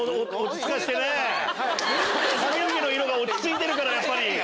髪の毛の色が落ち着いてるからやっぱり。